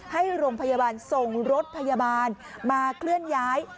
ให้โรงพยาบาลส่งรถพยาบาลมาเคลื่อนย้าย